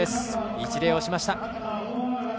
一礼をしました。